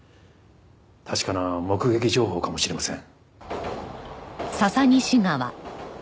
確かな目撃情報かもしれません。